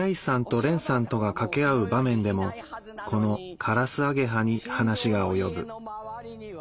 とれんさんとが掛け合う場面でもこのカラスアゲハに話が及ぶ。